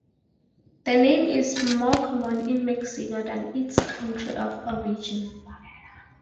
The name is more common is Mexico than in its country of origin.